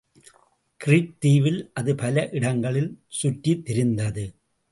Greet தீவில் அது பல இடங்களில் சுற்றித் திரிந்து.